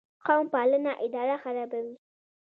قوم پالنه اداره خرابوي